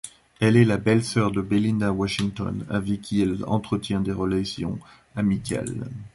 Elle est la belle-soeur de Belinda Washington avec qui elle entretient des relations amicales.